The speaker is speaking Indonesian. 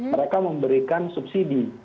mereka memberikan subsidi